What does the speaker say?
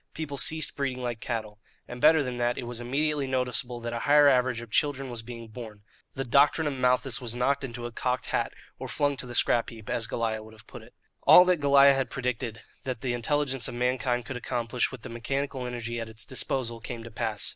People ceased breeding like cattle. And better than that, it was immediately noticeable that a higher average of children was being born. The doctrine of Malthus was knocked into a cocked hat or flung to the scrap heap, as Goliah would have put it. All that Goliah had predicted that the intelligence of mankind could accomplish with the mechanical energy at its disposal, came to pass.